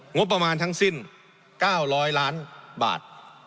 งบประมาณทั้งสิ้น๙๐๐ล้านบาท